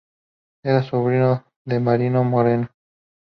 Era sobrino de Mariano Moreno.